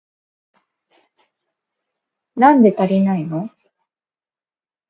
なんで足りないの？